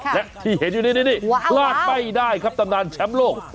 และที่เห็นอยู่นี่พลาดไม่ได้ครับตำนานแชมป์โลก